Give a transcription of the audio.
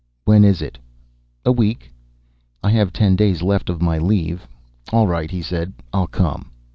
"When is it?" "A week." "I have ten days left of my leave. All right," he said. "I'll come."